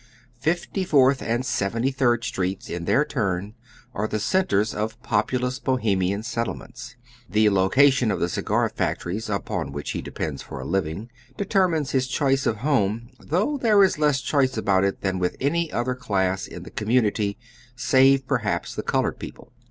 Fifty fourth and Seventy third Streets in their turn are the centres of populona Bohemian settlements. The location of the cigar factories, upon which he depends for a living, de termines his choice of home, though {here is less choice about it than with any other class in the community, save perhaps the colored people.